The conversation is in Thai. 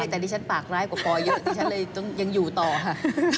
โอ๊ยแต่นี่ฉันปากร้ายกว่าปอล์เยอะนี่ฉันเลยต้องยังอยู่ต่อค่ะ